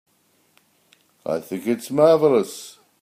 I think it's marvelous.